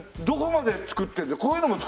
どこまで作ってるの？